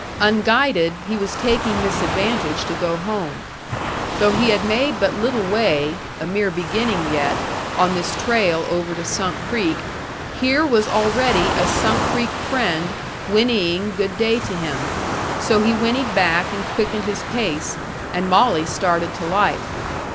Unguided, he was taking this advantage to go home. Though he had made but little way a mere beginning yet on this trail over to Sunk Creek, here was already a Sunk Creek friend whinnying good day to him, so he whinnied back and quickened his pace, and Molly started to life.